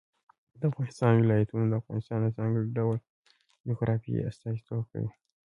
د افغانستان ولايتونه د افغانستان د ځانګړي ډول جغرافیه استازیتوب کوي.